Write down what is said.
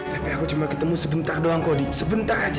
tapi aku cuma ketemu sebentar doang kodi sebentar aja